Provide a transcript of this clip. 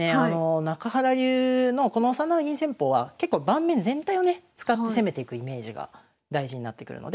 中原流のこの３七銀戦法は結構盤面全体をね使って攻めていくイメージが大事になってくるので